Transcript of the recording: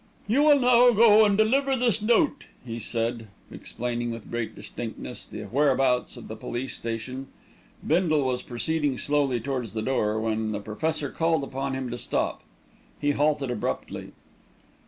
"You will now go and deliver this note," he said, explaining with great distinctness the whereabouts of the police station. Bindle was proceeding slowly towards the door, when the Professor called upon him to stop. He halted abruptly.